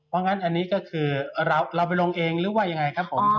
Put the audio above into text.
เพราะงั้นอันนี้ก็คือเราไปลงเองหรือว่ายังไงครับผม